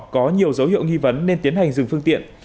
có nhiều dấu hiệu nghi vấn nên tiến hành dừng phương tiện